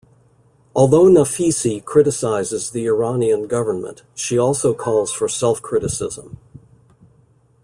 Although Nafisi criticizes the Iranian government, she also calls for self-criticism.